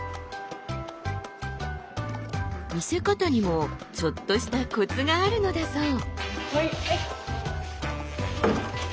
見せ方にもちょっとしたコツがあるのだそう。